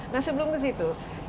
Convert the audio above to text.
nah sebelum ke situ